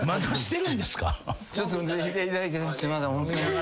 すいません。